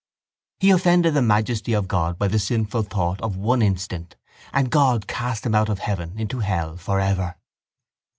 He offended the majesty of God by the sinful thought of one instant and God cast him out of heaven into hell for ever.